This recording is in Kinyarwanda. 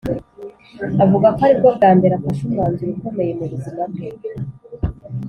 Avuga ko aribwo bwa mbere afashe umwanzuro ukomeye mu buzima bwe